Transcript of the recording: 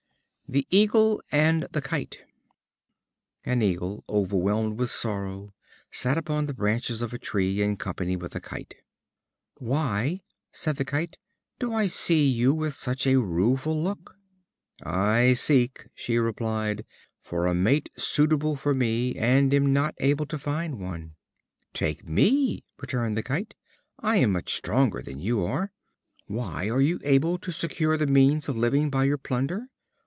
The Eagle and the Kite. An Eagle, overwhelmed with sorrow, sat upon the branches of a tree, in company with a Kite. "Why," said the Kite, "do I see you with such a rueful look?" "I seek," she replied, "for a mate suitable for me, and am not able to find one." "Take me," returned the Kite; "I am much stronger than you are." "Why, are you able to secure the means of living by your plunder?"